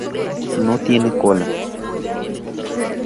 No tiene cola.